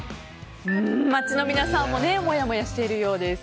街の皆さんももやもやしているようです。